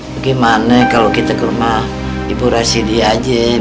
bagaimana kalau kita ke rumah ibu rasidih aja